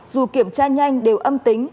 dù kiểm tra nhanh đều âm tính